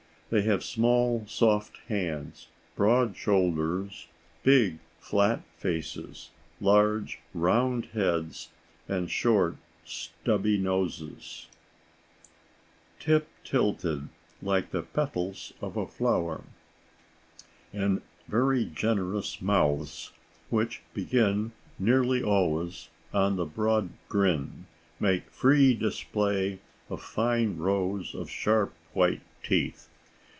They have small, soft hands, broad shoulders, big flat faces, large, round heads, and short, stubby noses, "Tip tilted, like the petals of a flower," and very generous mouths, which, being nearly always on the broad grin, make free display of fine rows of sharp, white teeth.